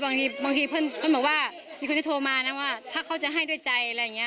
บางทีเพื่อนบอกว่ามีคนที่โทรมานะว่าถ้าเขาจะให้ด้วยใจอะไรอย่างนี้